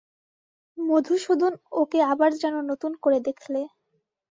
মধুসূদন ওকে আবার যেন নতুন করে দেখলে।